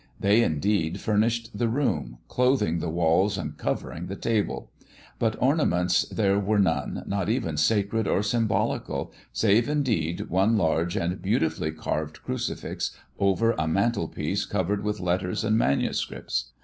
They indeed furnished the room, clothing the walls and covering the table; but ornaments there were none, not even sacred or symbolical, save, indeed, one large and beautifully carved crucifix over a mantelpiece covered with letters and manuscripts.